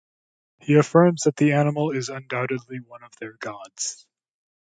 He affirms that the animal is undoubtedly one of their gods.